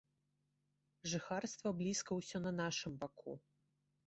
Жыхарства блізка ўсё на нашым баку.